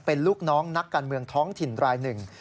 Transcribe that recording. เป็นลูกน้องนักการเมืองท้องถิ่นรายหนึ่ง